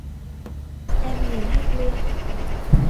em liền hét lên